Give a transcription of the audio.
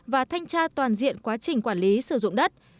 và thanh tra toàn diện quá trình quản lý sử dụng đất